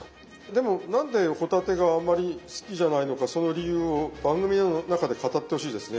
でも何で帆立てがあまり好きじゃないのかその理由を番組の中で語ってほしいですね。